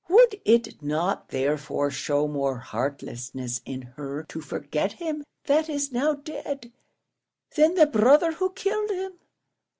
Would it not, therefore, show more heartlessness in her to forget him that is now dead, than the brother who killed him?